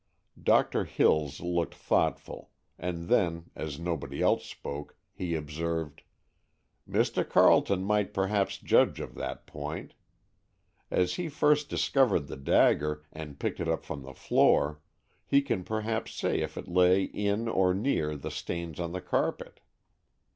Doctor Hills looked thoughtful, and then, as nobody else spoke, he observed: "Mr. Carleton might perhaps judge of that point. As he first discovered the dagger, and picked it up from the floor, he can perhaps say if it lay in or near the stains on the carpet."